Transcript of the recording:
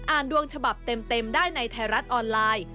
อ่านดวงฉบับเต็มได้ในไทรัศน์ออนไลน์